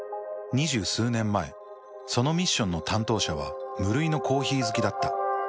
２０数年前そのミッションの担当者は無類のコーヒー好きだった。